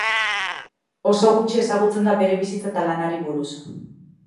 Oso gutxi ezagutzen da bere bizitza eta lanari buruz.